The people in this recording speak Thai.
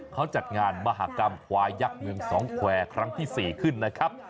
เขาจัดงานมหากรรมควายยักษ์เมืองสองแควร์ครั้งที่๔ขึ้นนะครับ